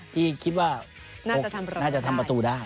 ที่คิดว่าน่าจะทำประตูได้